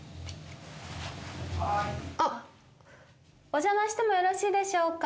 お邪魔してもよろしいでしょうか。